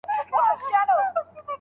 اوس د دې څيزونو حرکت بې هوښه شوی دی